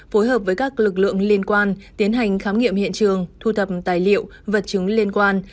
phối hợp với các lực lượng liên quan tiến hành khám nghiệm hiện trường thu thập tài liệu vật chứng liên quan